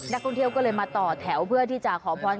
นักท่องเที่ยวก็เลยมาต่อแถวเพื่อที่จะขอพร